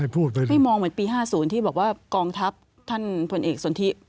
ไม่มองเหมือนปี๕๐ที่บอกว่ากองทัพท่านผลเอกสนทิ